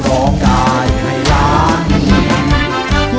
ร้องได้ให้ล้าน